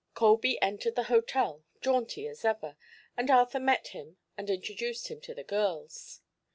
Colby entered the hotel, jaunty as ever, and Arthur met him and introduced him to the girls.